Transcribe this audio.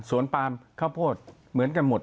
ปาล์มข้าวโพดเหมือนกันหมด